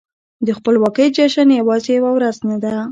د خپلواکۍ جشن يوازې يوه ورځ نه ده.